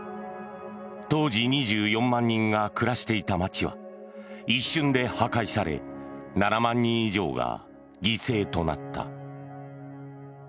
当時２４万人が暮らしていた街は一瞬で破壊され７万人以上が犠牲となった。